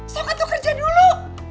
so gak tuh kerja dulu